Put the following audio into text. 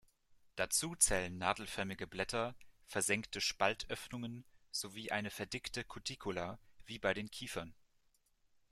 Dazu zählen nadelförmige Blätter, versenkte Spaltöffnungen sowie eine verdickte Cuticula wie bei den Kiefern.